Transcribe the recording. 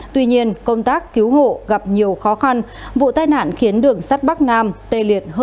tuy nhiên công tác cứu hộ gặp nhiều khó khăn vụ tai nạn khiến đường sắt bắc nam tê liệt hơn ba tiếng đồng hồ